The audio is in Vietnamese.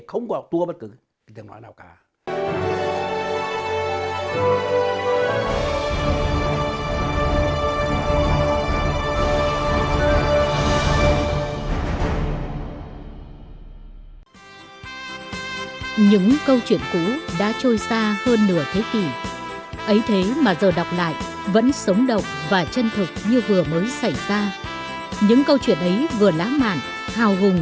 không có tùa bất cứ tiếng nói nào cả